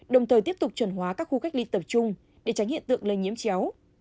đồng thời tiếp tục chuẩn hóa các khu cách ly tập trung để tránh hiện tượng lây nhiễm chéo